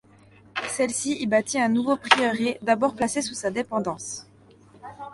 Celle-ci y bâtit un nouveau prieuré d'abord placé sous sa dépendance.